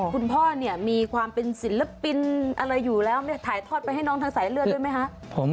คุณพ่อเนี่ยมีความเป็นศิลปินอะไรอยู่แล้วถ่ายทอดไปให้น้องทางสายเลือดด้วยไหมคะ